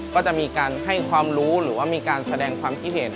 ก็จะมีการให้ความรู้หรือว่ามีการแสดงความคิดเห็น